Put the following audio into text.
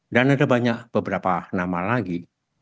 dan ada banyak beberapa nama lagi